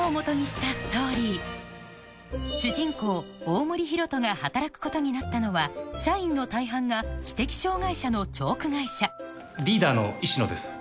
主人公・大森広翔が働くことになったのは社員の大半が知的障がい者のチョーク会社リーダーの石野です。